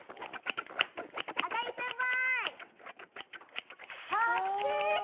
あかり先輩！